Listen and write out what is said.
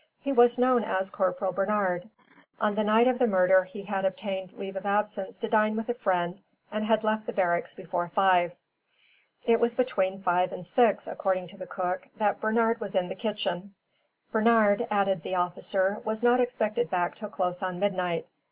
He was known as Corporal Bernard. On the night of the murder he had obtained leave of absence to dine with a friend and had left the barracks before five. It was between five and six, according to the cook, that Bernard was in the kitchen. Bernard, added the officer, was not expected back till close on midnight.